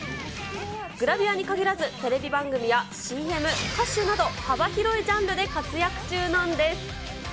グラビアに限らず、テレビ番組やＣＭ、歌手など幅広いジャンルで活躍中なんです。